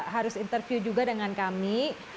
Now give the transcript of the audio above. harus interview juga dengan kami